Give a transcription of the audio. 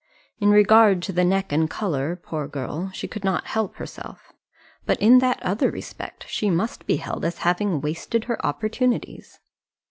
In regard to the neck and colour, poor girl, she could not help herself; but in that other respect she must be held as having wasted her opportunities.